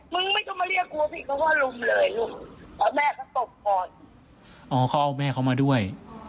อ๋อเขาเอาแม่เขามาด้วย